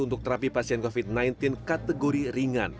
untuk terapi pasien covid sembilan belas kategori ringan